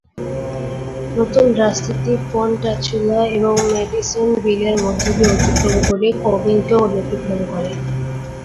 নতুন রাস্তাটি পনচাটুলা এবং ম্যাডিসনভিলের মধ্য দিয়ে অতিক্রম করে কভিংটন অতিক্রম করে।